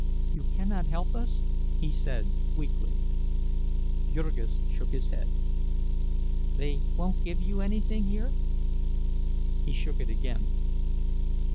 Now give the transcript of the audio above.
"You cannot help us?" he said weakly. Jurgis shook his head. "They won't give you anything here?" He shook it again.